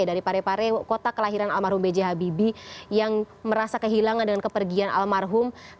dari parepare kota kelahiran almarhum b j habibie yang merasa kehilangan dengan kepergian almarhum